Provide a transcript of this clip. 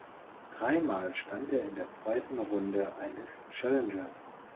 Dreimal stand er in der zweiten Runde eines Challengers.